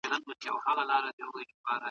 کي د بدلون وړ دی؟ که فرض کړو چي سبا د هيواد